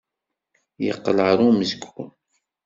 Yeqqel ɣer umezgun.